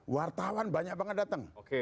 wartawan banyak banget datang